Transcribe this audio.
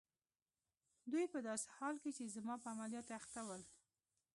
دوی په داسې حال کې چي زما په عملیاتو اخته ول.